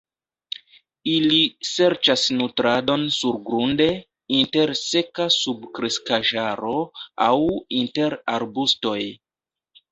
Ili serĉas nutradon surgrunde, inter seka subkreskaĵaro, aŭ inter arbustoj.